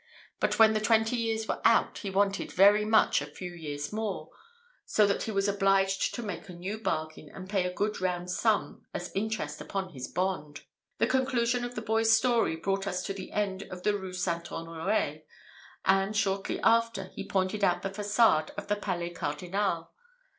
But when the twenty years were out, he wanted very much a few years more, so that he was obliged to make a new bargain, and pay a good round sum as interest upon his bond." The conclusion of the boy's story brought us to the end of the Rue St. Honoré; and, shortly after, he pointed out to me the façade of the Palais Cardinal.